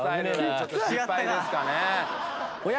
ちょっと失敗ですかね。